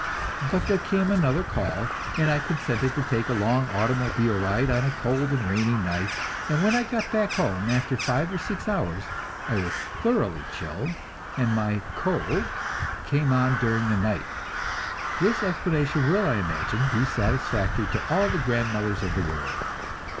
But there came another call, and I consented to take a long automobile ride on a cold and rainy night, and when I got back home, after five or six hours, I was thoroughly chilled, and my "cold" came on during the night. This explanation will, I imagine, be satisfactory to all the grandmothers of the world.